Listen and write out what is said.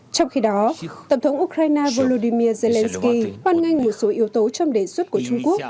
trong khi đó tổng thống ukraine volodymyr zelensky hoan nghênh một số yếu tố trong đề xuất của trung quốc